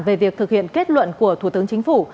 về việc thực hiện kết luận của thủ tướng chính phủ